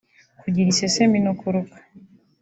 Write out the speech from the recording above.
Kugira iseseme no kuruka